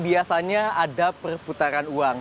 biasanya ada perputaran uang